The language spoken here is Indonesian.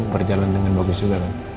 berjalan dengan bagus juga